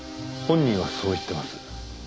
本人はそう言ってます。